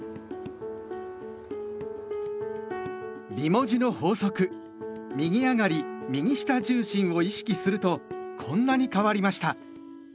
美文字の法則「右上がり右下重心」を意識するとこんなに変わりました。